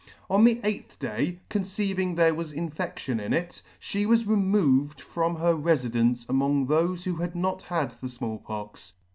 On the eighth day, conceiving there was infedtion in it, fhe was removed from her refidence among thofe who had not had the Small Pox.